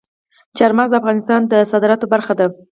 چار مغز د افغانستان د صادراتو برخه ده.